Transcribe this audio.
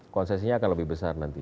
konsesinya akan lebih besar nanti